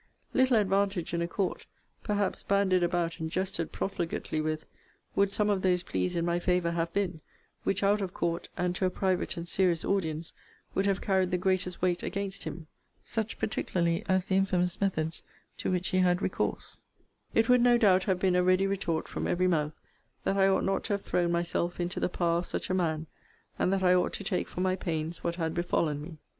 Little advantage in a court, (perhaps, bandied about, and jested profligately with,) would some of those pleas in my favour have been, which out of court, and to a private and serious audience, would have carried the greatest weight against him Such, particularly, as the infamous methods to which he had recourse It would, no doubt, have been a ready retort from every mouth, that I ought not to have thrown myself into the power of such a man, and that I ought to take for my pains what had befallen me.